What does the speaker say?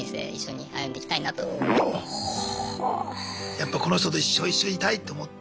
やっぱこの人と一生一緒にいたいって思って。